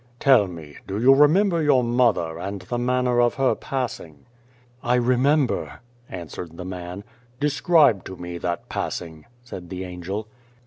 " Tell me, do you remember your mother and the manner of her passing ?" 125 The Face " I remember," answered the man. " Describe to me that passing," said the Angel.